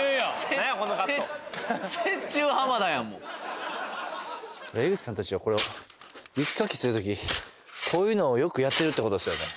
なんやこのカット江口さんたちはこれを雪かきするときこういうのをよくやってるってことですよね？